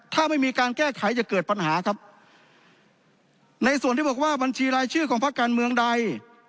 ถ้าไม่มีการแก้ไขจะเกิดปัญหาครับในส่วนที่บอกว่าบัญชีรายชื่อของภาคการเมืองใด